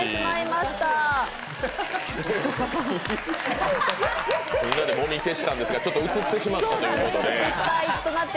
みんなでもみ消したんですが、ちょっと映ってしまったということで。